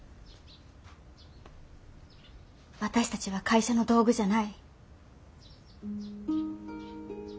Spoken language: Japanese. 私たちは会社の道具じゃない。